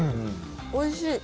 おいしい。